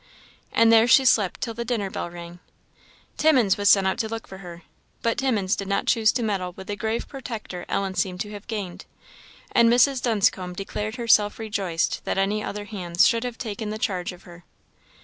And there she slept till the dinner bell rang. Timmins was sent out to look for her, but Timmins did not choose to meddle with the grave protector Ellen seemed to have gained; and Mrs. Dunscombe declared herself rejoiced that any other hands should have taken the charge of her.